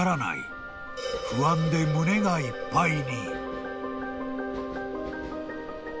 ［不安で胸がいっぱいに］